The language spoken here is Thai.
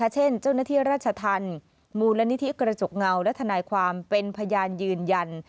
เช่นเจ้าหน้าที่ราชธรรมมูลนิธิกระจกเงาและทนายความเป็นพยานยืนยัน